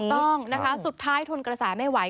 ต้องนะคะสุดท้ายทนกระแสไม่ไหว